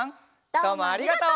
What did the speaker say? どうもありがとう！